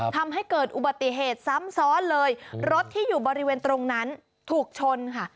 ทำให้เกิดอุบัติเหตุซ้ำซ้อนเลยรถที่อยู่บริเวณตรงนั้นถูกชนค่ะ